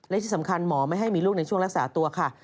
และที่สำคัญหมอไม่ให้มีลูกในช่วงรักษาตัวค่ะ